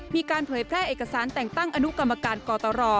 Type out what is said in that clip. เผยแพร่เอกสารแต่งตั้งอนุกรรมการกตร